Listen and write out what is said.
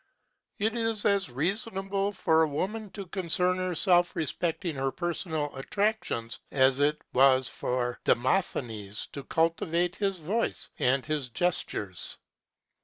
It is as reasonable for a woman to concern herself respecting her personal attractions as it was for Demosthenes to cultivate his voice and his gestures.